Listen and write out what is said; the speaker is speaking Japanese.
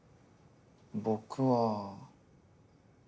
僕は。